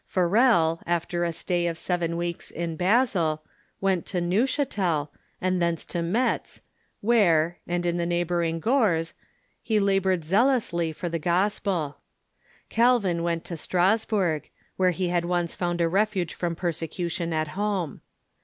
Farel, after a stay of seven 16 242 THE REFORMATION weeks in Basel, went to Neuchatel, and thence to Metz, where, and in tlie neighboring Gorze, he labored zealously for the gospel. Calvin went to Strasburg, where he had once found a refuge from persecution at home.